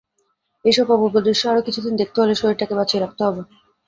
এইসব অপূর্ব দৃশ্য আরো কিছুদিন দেখতে হলে শরীরটাকে বাঁচিয়ে রাখতে হবে।